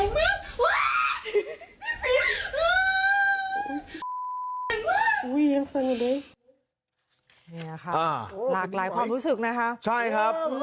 ลากลายความรู้สึกนะครับ